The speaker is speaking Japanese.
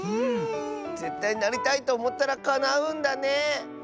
ぜったいなりたいとおもったらかなうんだね！